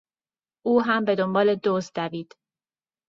او هم به دنبال دزد دوید.